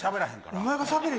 お前がしゃべれよ。